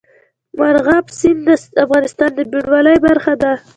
مورغاب سیند د افغانستان د بڼوالۍ برخه ده.